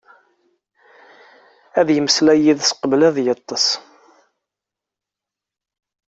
Ad yemmeslay yid-s qbel ad yeṭṭeṣ.